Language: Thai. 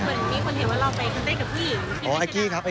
เหมือนที่คนเห็นว่าเราไปค้นเต้นกับพี่